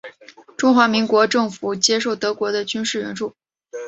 中华民国政府接受德国的军事援助。